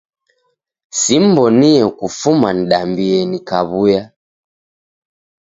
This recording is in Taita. Simbonie kufuma nidambie nikaw'uya.